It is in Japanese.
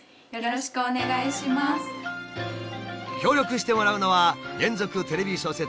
協力してもらうのは連続テレビ小説